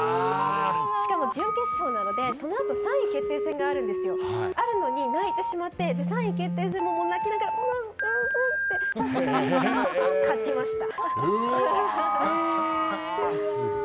しかも準決勝なのでそのあと３位決定戦があるのに泣いてしまって３位決定戦も泣きながら指してたんですけど勝ちました。